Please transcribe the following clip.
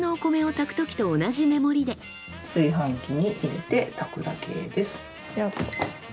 炊飯器に入れて炊くだけです。